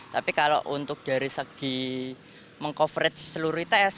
tapi kalau untuk dari segi meng coverage seluruh its